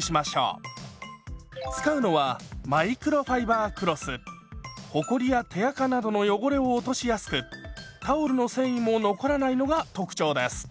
使うのはほこりや手あかなどの汚れを落としやすくタオルの繊維も残らないのが特徴です。